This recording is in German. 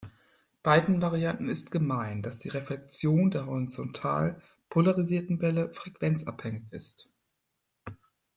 Beiden Varianten ist gemein, dass die Reflexion der horizontal polarisierten Welle frequenzabhängig ist.